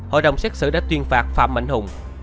hội đồng xét xử đã tuyên phạt phạm mạnh hùng